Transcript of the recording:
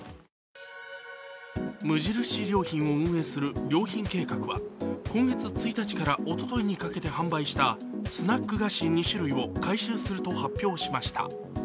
無印良品を運営する良品計画は、今月１日からおとといにかけて販売したスナック菓子２種類を回収すると発表しました。